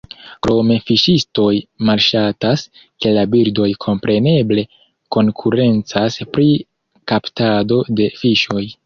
Krome fiŝistoj malŝatas, ke la birdoj kompreneble konkurencas pri kaptado de fiŝoj.